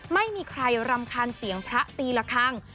ไม่มีใครรำคาญเสียงพระตีละครั้ง